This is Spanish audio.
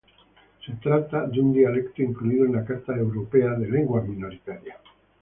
Se trata de un dialecto incluido en la Carta Europea de Lenguas Minoritarias.